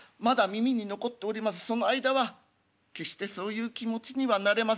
その間は決してそういう気持ちにはなれません」。